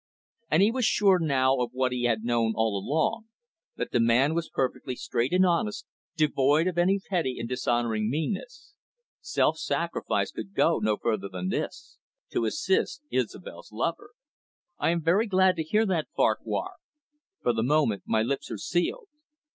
And he was sure now of what he had known all along, that the man was perfectly straight and honest, devoid of any petty or dishonouring meanness. Self sacrifice could go no further than this to assist Isobel's lover. "I am very glad to hear that, Farquhar. For the moment, my lips are sealed.